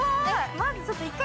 まずちょっと一回。